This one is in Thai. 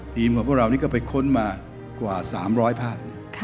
ของพวกเรานี่ก็ไปค้นมากว่า๓๐๐ภาค